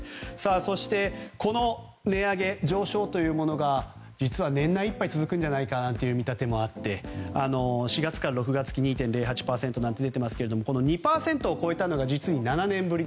そしてこの値上げ、上昇が実は、年内いっぱい続くのではという見立てもあって４月から６月期２．０８％なんて出ていますがこの２％を超えたのが実に７年ぶり。